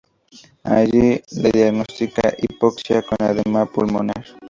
Allí le diagnostica hipoxia con edema pulmonar.